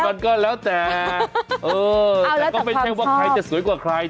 มันก็แล้วแต่เออแต่ก็ไม่ใช่ว่าใครจะสวยกว่าใคร